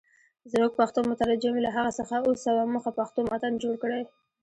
زموږ پښتو مترجم له هغه څخه اووه سوه مخه پښتو متن جوړ کړی.